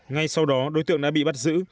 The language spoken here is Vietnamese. ngay sau đó đối tượng đã bị bắt giữ